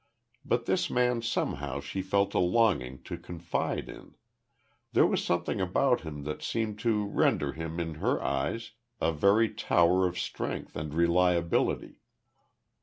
But this man somehow she felt a longing to confide in. There was something about him that seemed to render him in her eyes a very tower of strength and reliability.